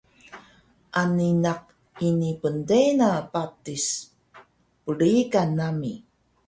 Ani naq ini pntena patis bnrigan nami